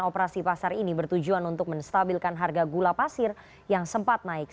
operasi pasar ini bertujuan untuk menstabilkan harga gula pasir yang sempat naik